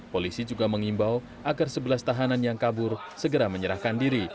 polisi juga mengimbau agar sebelas tahanan yang kabur segera menyerahkan diri